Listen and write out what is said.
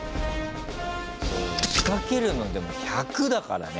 そう仕掛けるのでも１００だからね。